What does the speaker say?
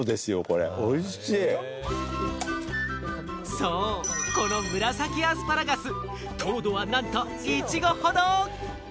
そう、この紫アスパラガス、糖度はなんと、イチゴほど！